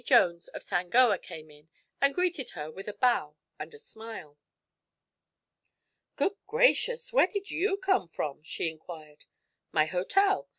Jones of Sangoa came in and greeted her with a bow and a smile. "Good gracious! Where did you come from?" she inquired. "My hotel.